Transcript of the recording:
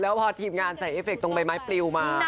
แล้วพอทีมงานใส่เอฟเคตรงใบไม้ปลิวมา